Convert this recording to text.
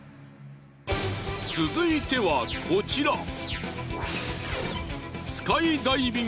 続いてはこちら。